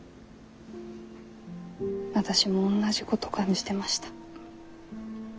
私もおんなじこと感じてました。